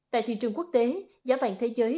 tại thị trường quốc tế giá vàng thế giới